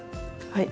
はい。